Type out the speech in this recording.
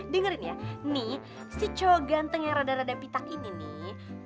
dengerin ya nih sico ganteng yang rada rada pitak ini nih